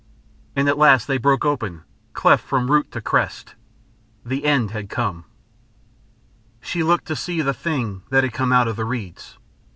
And at last they broke open, cleft from root to crest.... The end had come. She looked to see the thing that had come out of the reeds.